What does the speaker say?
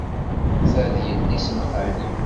Ta d yelli-s n xali.